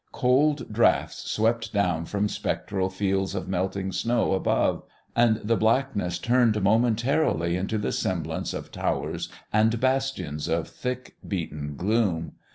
Cold draughts swept down from spectral fields of melting snow above; and the blackness turned momentarily into the semblance of towers and bastions of thick beaten gloom.